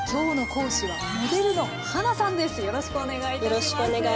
よろしくお願いします。